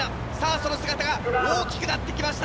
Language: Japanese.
その姿が大きくなってきました。